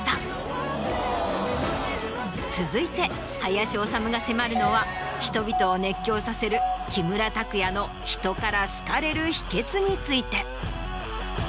続いて林修が迫るのは人々を熱狂させる木村拓哉の人から好かれる秘訣について。